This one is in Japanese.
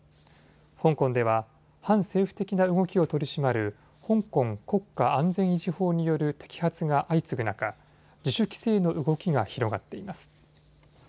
香港では反政府的な動きを取り締まる香港国家安全維持法による摘発が相次ぐ中、自主規制の動きが広がっています。